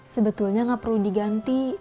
sebetulnya nggak perlu diganti